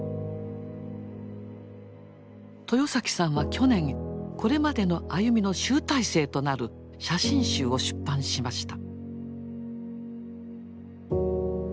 豊さんは去年これまでの歩みの集大成となる写真集を出版しました。